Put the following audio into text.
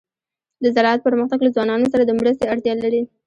د زراعت پرمختګ له ځوانانو سره د مرستې اړتیا لري.